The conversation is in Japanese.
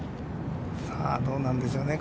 さあ、どうなんですかね。